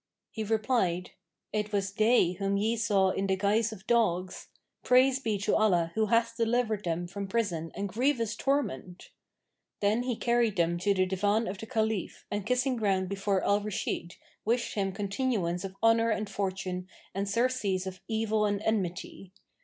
He replied, "It was they whom ye saw in the guise of dogs; praise be to Allah who hath delivered them from prison and grievous torment!" Then he carried them to the Divan of the Caliph and kissing ground before Al Rashid wished him continuance of honour and fortune and surcease of evil and enmity.